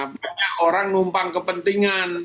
banyak orang numpang kepentingan